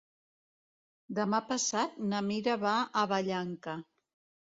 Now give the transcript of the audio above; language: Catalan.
Demà passat na Mira va a Vallanca.